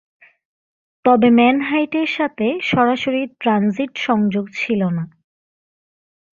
তবে ম্যানহাটনের সাথে সরাসরি ট্রানজিট সংযোগ ছিল না।